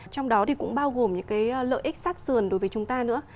trong đó thì cũng bao gồm những cái lợi ích sát sườn đối với chúng ta nữa